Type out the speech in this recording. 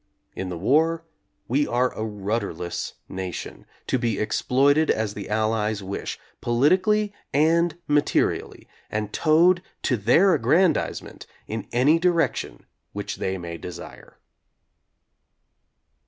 In the war, we are a rudderless nation, to be exploited as the Allies wish, politically and materially, and towed, to their aggrandizement, in any direction which they may desire.